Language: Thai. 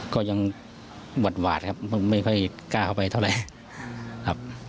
ก็ยังหวาดครับไม่ค่อยกล้าเข้าไปเท่าไหร่ครับ